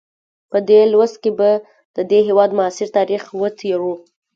په دې لوست کې به د دې هېواد معاصر تاریخ وڅېړو.